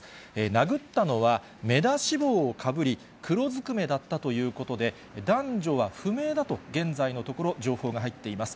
殴ったのは、目出し帽をかぶり、黒ずくめだったということで、男女は不明だと、現在のところ、情報が入っています。